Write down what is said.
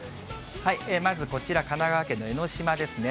まずこちら神奈川県の江の島ですね。